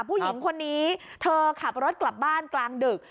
ผู้หญิงคนนี้เธอขับรถกลับบ้านกลางดึก